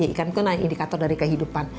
ikan itu indikator dari kehidupan